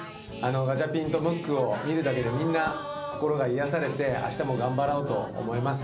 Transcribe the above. ガチャピンとムックを見るだけでみんな心が癒やされてあしたも頑張ろうと思えます。